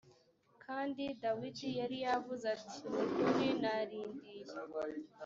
kandi dawidi yari yavuze ati ni ukuri narindiye